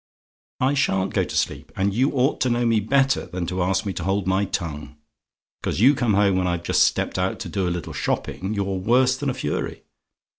"I SHA'N'T go to sleep; and you ought to know me better than to ask me to hold my tongue. Because you come home when I've just stepped out to do a little shopping, you're worse than a fury.